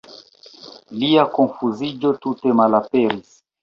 Lia konfuziĝo tute malaperis.